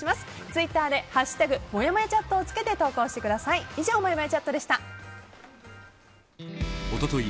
ツイッターで「＃もやもやチャット」をつけて投稿してください。